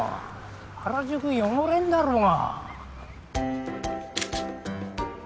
原宿汚れんだろうが。